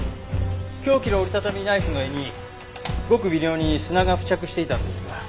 凶器の折り畳みナイフの柄にごく微量に砂が付着していたんですが。